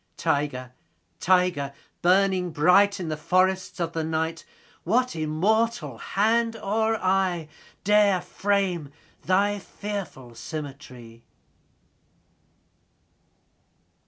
20 Tiger, tiger, burning bright In the forests of the night, What immortal hand or eye Dare frame thy fearful symmetry?